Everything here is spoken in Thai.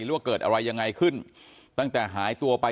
ว่าเกิดอะไรยังไงขึ้นตั้งแต่หายตัวไป